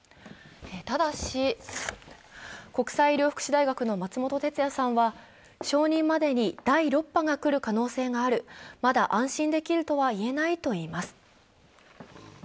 ただし、国際医療福祉大学の松本哲哉さんは承認までに第６波が来る可能性がある、まだ安心できるとは言えないと言います。